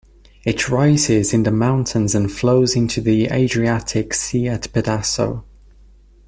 It rises in the mountains and flows into the Adriatic Sea at Pedaso.